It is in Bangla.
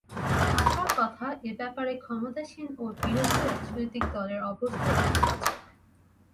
আশার কথা, এ ব্যাপারে ক্ষমতাসীন ও বিরোধী রাজনৈতিক দলের অবস্থান ইতিবাচক।